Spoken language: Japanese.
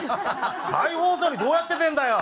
再放送にどうやって出んだよ！」